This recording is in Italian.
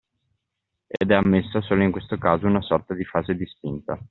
Ed è ammessa solo in questo caso una sorta di fase di spinta